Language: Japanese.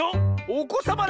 ⁉おこさま